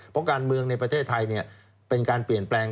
เพราะการเมืองในประเทศไทยเป็นการเปลี่ยนแปลง